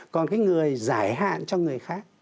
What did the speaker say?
còn cái người giải hạn cho người khác